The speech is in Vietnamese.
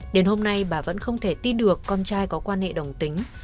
đến hôm nay bà vẫn không thể tin được con trai có quan hệ đồng tính